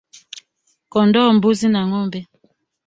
Kondoo mbuzi na ngombe